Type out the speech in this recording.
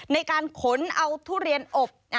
ในการขนเอาทุเรียนอบ